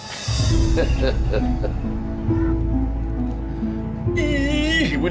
ih buni gimana